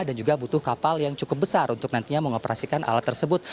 dan juga butuh kapal yang cukup besar untuk nantinya mengoperasikan alat tersebut